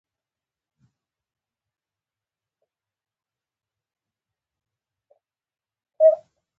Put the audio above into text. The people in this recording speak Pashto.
دوزبکو د ملایانو قضیه راواخلې.